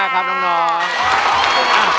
ขอบคุณมากครับน้อง